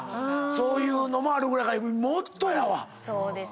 そういうのもあるぐらいやからもっとやわ。